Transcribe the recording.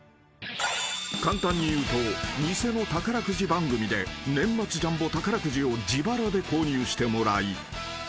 ［簡単にいうと偽の宝くじ番組で年末ジャンボ宝くじを自腹で購入してもらい］